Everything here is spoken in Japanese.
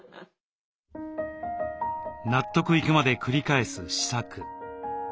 納得いくまで繰り返す試作。